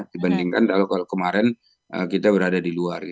dibandingkan kalau kemarin kita berada di luar